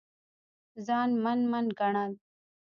ځان من من ګڼل